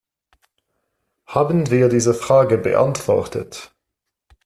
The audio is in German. Haben wir diese Frage beantwortet?